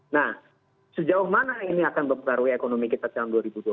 nah sejauh mana ini akan mempengaruhi ekonomi kita tahun dua ribu dua puluh satu